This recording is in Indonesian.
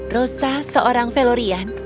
rosa seorang velorian